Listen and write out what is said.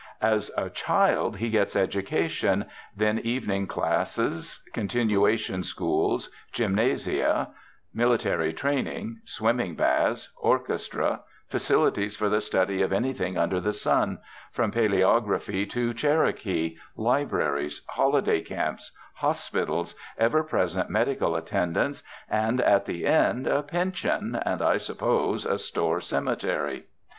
As a child he gets education, then evening classes, continuation schools, gymnasia, military training, swimming baths, orchestra, facilities for the study of anything under the sun, from palaeography to Cherokee, libraries, holiday camps, hospitals, ever present medical attendance, and at the end a pension, and, I suppose, a store cemetery.